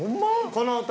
この音。